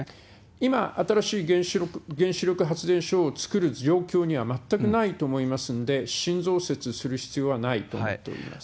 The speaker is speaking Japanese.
今、新しい原子力発電所を造る状況には全くないと思いますんで、新増設する必要はないと思っております。